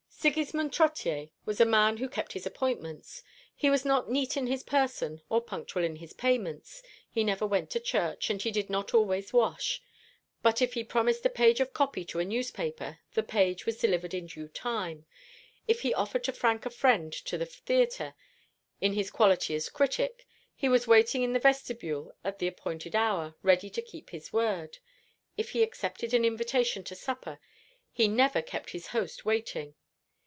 Sigismond Trottier was a man who kept his appointments. He was not neat in his person, or punctual in his payments. He never went to church, and he did not always wash. But if he promised a page of copy to a newspaper, the page was delivered in due time. If he offered to frank a friend to the theatre, in his quality as critic, he was waiting in the vestibule at the appointed hour, ready to keep his word. If he accepted an invitation to supper, he never kept his host waiting.